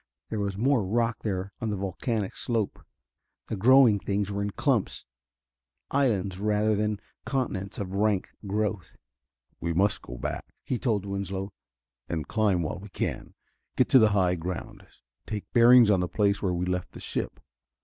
There was more rock there on the volcanic slope: the growing things were in clumps islands, rather than continents of rank growth. "We must go back," he told Winslow, "and climb while we can. Get to the high ground, take bearings on the place where we left the ship.